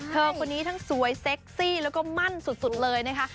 เธอคนนี้ทั้งสวยเซ็กซี่แล้วก็มั่นสุดเลยนะคะ